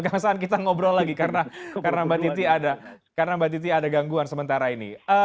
kang saan kita ngobrol lagi karena mbak titi ada gangguan sementara ini